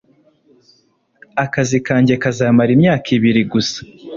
Akazi kanjye kazamara imyaka ibiri gusa.